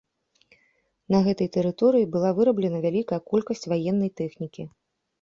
На гэтай тэрыторыі была выраблена вялікая колькасць ваеннай тэхнікі.